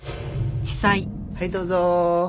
はいどうぞ。